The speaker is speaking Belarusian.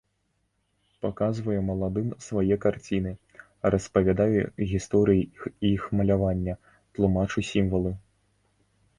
Паказваю маладым свае карціны, распавядаю гісторыі іх малявання, тлумачу сімвалы.